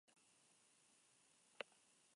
En Sri Lanka se produce de mayo a julio.